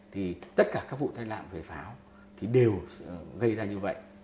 thì tất cả các vụ tai nạn về pháo thì đều gây ra như vậy